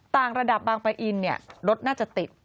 ต่างระดับบางปะอินเนี่ยรถน่าจะติด